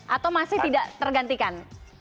atau masih tidak tergantikan